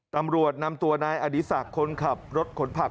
ตำรวจนำตัวนายอดีศักดิ์คนขับรถขนผัก